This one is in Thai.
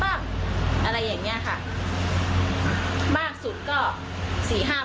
ไม่มีค่ะส่วนใหญ่นี่คือจะรู้ว่าเขาจะเก็บเงินไปทำอะไร